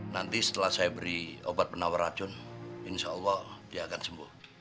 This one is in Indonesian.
nanti setelah saya beri obat penawar racun insya allah dia akan sembuh